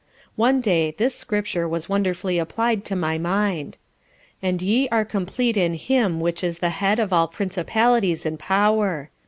One day this Scripture was wonderfully apply'd to my mind, _"And ye are compleat in Him which is the Head of all principalities and power."